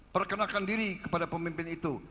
perkenalkan diri kepada pemimpin itu